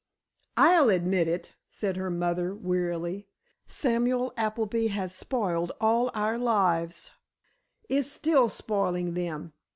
"I'll admit it," said her mother, wearily. "Samuel Appleby has spoiled all our lives—is still spoiling them.